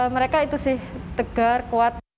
mereka itu sih tegar kuat